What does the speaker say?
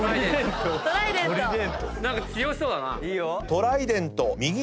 何か強そうだな。